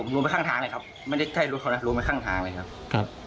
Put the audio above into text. รวมไปข้างทางเลยครับไม่ได้ใกล้รถเขานะรวมไปข้างทางเลยครับครับ